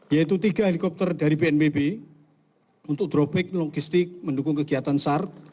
yaitu tiga helikopter dari pnpb untuk drop back logistik mendukung kegiatan sar